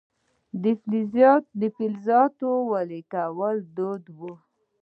د فلزاتو ویلې کول دود و